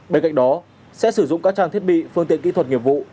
bên cạnh đó sẽ sử dụng các trang thiết bị phương tiện kỹ thuật nghiệp vụ